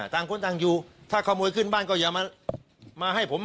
ต่างคนต่างอยู่ถ้าขโมยขึ้นบ้านก็อย่ามาให้ผม